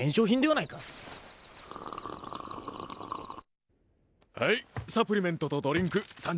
はいサプリメントとドリンク３０食ずつね。